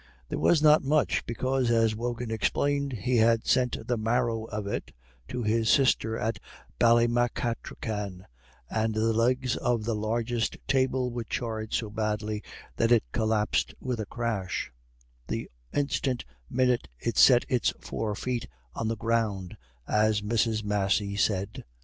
There was not much, because, as Wogan explained, he had sent "the marrow of it" to his sister at Ballymacartrican; and the legs of the largest table were charred so badly that it collapsed with a crash "the instiant minyit it set its four feet on the ground," as Mrs. Massey said.